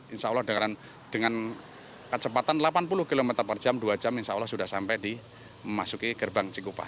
insya allah dengan kecepatan delapan puluh km per jam dua jam insya allah sudah sampai di memasuki gerbang cikupa